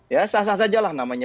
ya sah sah sajalah namanya